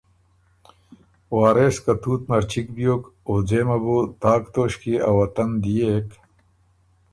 وارث خه تُوت نر چِګ بيوک او ځېمه بُو تاک توݭکيې ا وطن ديېک